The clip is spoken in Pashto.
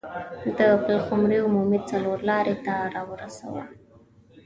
د پلخمري عمومي څلور لارې ته راورسوه.